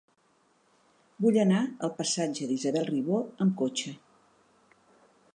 Vull anar al passatge d'Isabel Ribó amb cotxe.